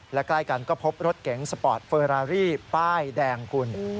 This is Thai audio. และใกล้กันก็พบรถเก๋งสปอร์ตเฟอรารี่ป้ายแดงคุณ